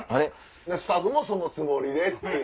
スタッフもそのつもりでって。